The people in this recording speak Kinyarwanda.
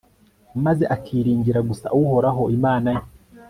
maze akiringira gusa uhoraho, imana ye